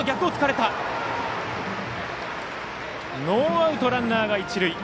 ノーアウトランナーが一塁。